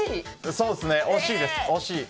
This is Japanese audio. そうですね、惜しいです。